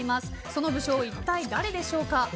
その武将、一体誰でしょうか。